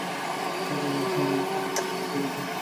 থানায় দেখছি ওদের!